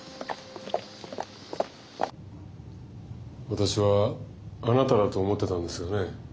私はあなただと思ってたんですがね。